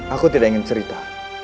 aku tidak ingin cerita